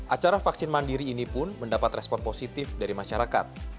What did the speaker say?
acara vaksin mandiri ini pun mendapat respon positif dari masyarakat